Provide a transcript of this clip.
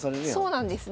そうなんです。